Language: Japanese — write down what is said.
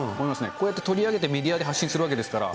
こうやって取り上げてメディアで発信するわけですから。